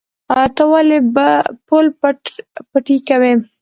ته ولې پل پتی کوې؟